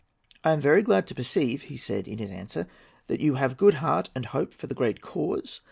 "I am very glad to perceive," he said in that answer, "that you have good heart and hope for the great cause.